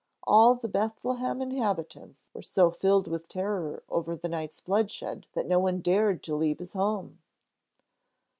All the Bethlehem inhabitants were so filled with terror over the night's bloodshed that no one dared to leave his home.